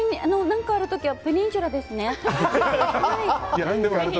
何かあるときはペニンシュラですね。